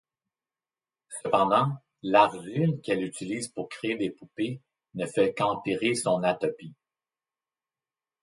Cependant, l'argile qu'elle utilise pour créer des poupées ne fait qu'empirer son atopie.